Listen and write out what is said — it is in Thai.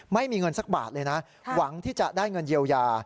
ไม่มีเงินสักบาทเลยนะหวังที่จะได้เงินเยียวยา